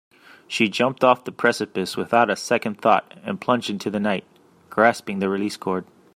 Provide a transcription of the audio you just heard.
She jumped off the precipice without a second thought and plunged into the night, grasping the release cord.